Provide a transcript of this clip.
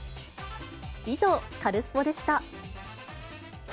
以上、カルスポっ！でした。